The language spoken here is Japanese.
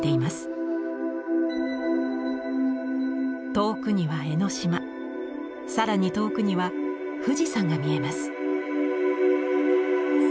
遠くには江ノ島更に遠くには富士山が見えます。